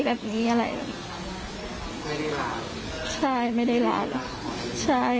มันมีแม่ด้วย